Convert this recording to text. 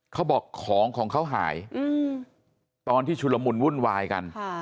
เขาบอกของของเขาหายตอนที่ชุลมุนวุ่นวายกัน